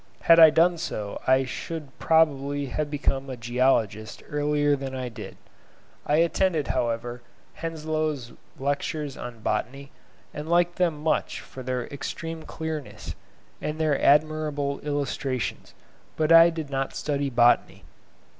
Had I done so I should probably have become a geologist earlier than I did. I attended, however, Henslow's lectures on Botany, and liked them much for their extreme clearness, and the admirable illustrations; but I did not study botany.